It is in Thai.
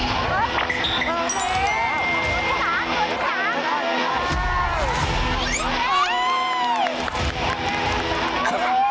อีกแล้วอีกแล้ว